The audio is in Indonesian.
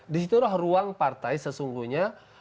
di situlah ruang partai sesungguhnya